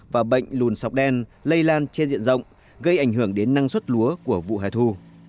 và bệnh lùn sọc đen lây lan trên diện rộng gây ảnh hưởng đến năng suất lúa của vụ hẻ thu